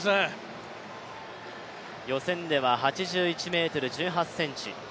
予選では８１ｍ１８ｃｍ。